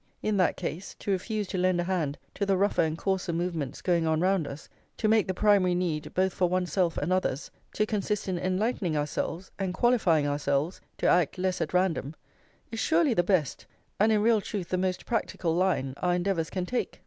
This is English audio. In that case, to refuse to lend a hand to the rougher and coarser movements going on round us, to make the primary need, both for oneself and others, to consist in enlightening ourselves and qualifying ourselves to act less at random, is surely the best, and in real truth the most practical line, our endeavours can take.